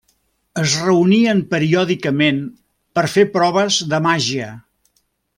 Es reunien periòdicament per fer proves de màgia.